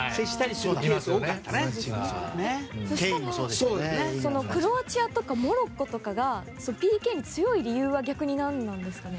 そうしたらクロアチアとかモロッコとかがＰＫに強い理由は逆に何でなんですかね。